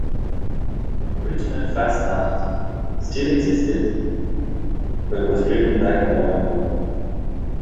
The original Fastnacht still existed, but was driven back more and more.